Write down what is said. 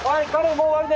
もう終わりね。